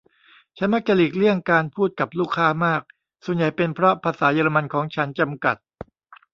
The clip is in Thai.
ฉันมักจะหลีกเลี่ยงการพูดกับลูกค้ามากส่วนใหญ่เป็นเพราะภาษาเยอรมันของฉัน จำกัด